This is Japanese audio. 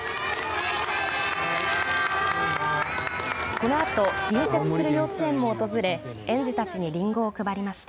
このあと隣接する幼稚園も訪れ園児たちにりんごを配りました。